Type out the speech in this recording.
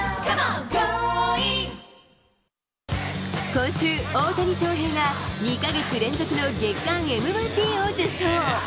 今週、大谷翔平が２か月連続の月間ＭＶＰを受賞。